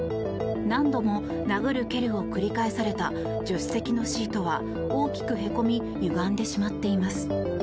何度も殴る蹴るを繰り返された助手席のシートは大きくへこみゆがんでしまっています。